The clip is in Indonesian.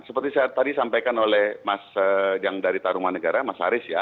seperti saya tadi sampaikan oleh mas yang dari taruman negara mas haris ya